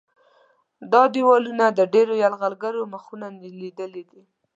دا دیوالونه د ډېرو یرغلګرو مخونه لیدلي دي.